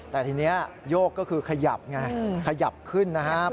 แต่ทีนี้โยกก็คือขยับไงขยับขึ้นนะครับ